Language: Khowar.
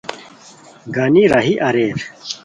گانی راہی اریر